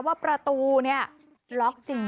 ว่าประตูนี้ล็อคจริง